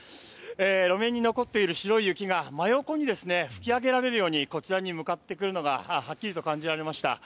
路面に残っている白い雪が真横に吹き上げられるようにこちらに向かってくるのがはっきりと感じられました。